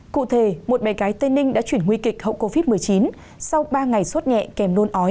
cụ thể một bé gái tây ninh đã chuyển nguy kịch hậu covid một mươi chín sau ba ngày suốt nhẹ kèm nôn ói